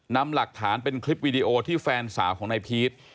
นำหลักฐานเป็นคลิปวีดีโอที่แฟนสาวของนายพีช